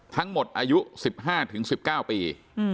ทั้งหมดอายุ๑๕๑๙ปี